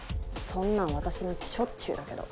そんなの私なんてしょっちゅうだけど。